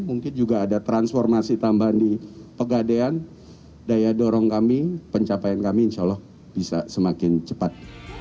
mungkin juga ada transformasi tambahan di pegadean daya dorong kami pencapaian kami insya allah bisa semakin cepat